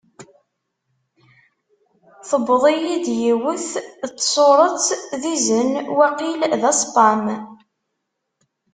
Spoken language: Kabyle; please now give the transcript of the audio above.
Tewweḍ-iyi-d yiwet n tsurett d izen, waqil d aspam.